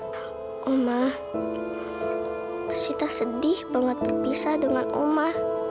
mama sita sedih banget berpisah dengan mama